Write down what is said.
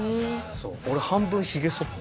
俺半分ヒゲそった。